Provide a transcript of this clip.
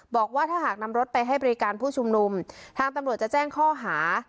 บอกว่าถ้าหากนำรถไปให้บริการผู้ชุมนุมทางตำรวจจะแจ้งข้อหา